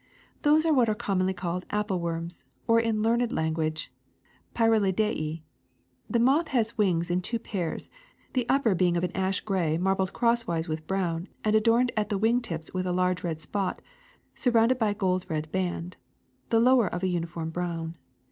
*^ Those are what are commonly called apple worms, or in learned language, Pyralidoe. The moth has wings in two pairs, the upper being of an ash g ray marbled crosswise with brown and adorned /^ at the wing tips with a large red spot sur rounded by a gold en red band; the lower of a uniform brown.